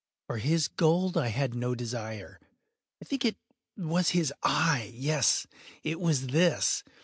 For his gold I had no desire. I think it was his eye! yes, it was this!